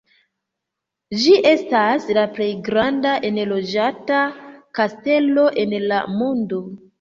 Ĝi estas la plej granda enloĝata kastelo en la mondo.